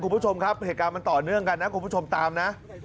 คุณผู้ชมครับเหตุการณ์มันต่อเนื่องกันนะคุณผู้ชมตามนะ